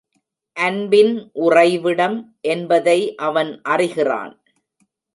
அன்பின் உறைவிடம் என்பதை அவன் அறிகிறான்.